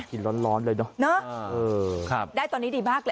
หินร้อนร้อนเลยเนอะเนอะเออครับได้ตอนนี้ดีมากเลย